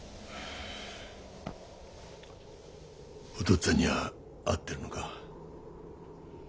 お父っつぁんには会ってるのか？